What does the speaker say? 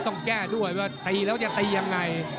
ต้องแก้ด้วยว่าตีแล้วจะตียังไง